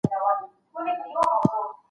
کوم ډول خواړه د مسمومیت لامل ګرځي؟